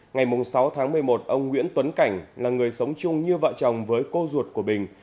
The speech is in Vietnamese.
ngày sáu tháng một mươi một ông nguyễn tuấn cảnh là người sống chung như vợ chồng với cô ruột của bình